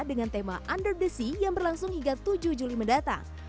dengan tema under desi yang berlangsung hingga tujuh juli mendatang